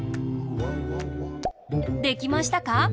できましたか？